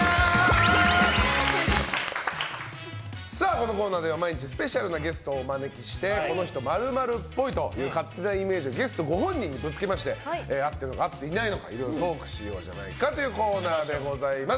このコーナーでは毎日スペシャルなゲストをお招きしてこの人○○っぽいと勝手なイメージをゲストご本人にぶつけまして合ってるのか合ってないのかいろいろトークしようというコーナーでございます。